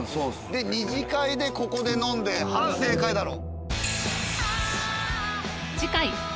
で２次会でここで飲んで反省会だろう。